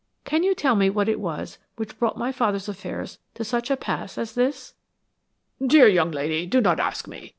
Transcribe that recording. Can you tell me what it was which brought my father's affairs to such a pass as this?" "Dear young lady, do not ask me.